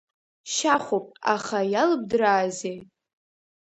Шьахәуп, аха иалыбдраазеи?